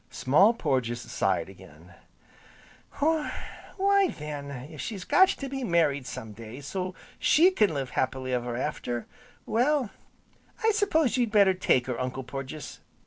Small Porges sighed again: "Why then, if she's got to be married some day, so she can live happy ever after, well, I s'pose you'd better take her, Uncle Porges."